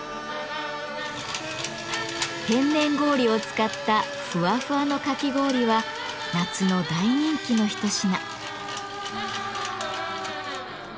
天然氷を使ったふわふわのかき氷は夏の大人気の一品。